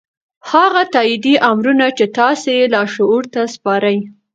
هغه تايیدي امرونه چې تاسې یې لاشعور ته سپارئ